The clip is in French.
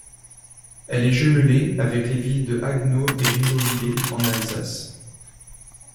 Elle est jumelée avec les villes de Haguenau et Ribeauvillé, en Alsace.